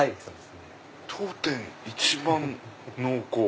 当店一番濃厚。